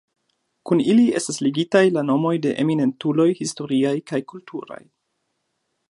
Kun ili estas ligitaj la nomoj de eminentuloj historiaj kaj kulturaj.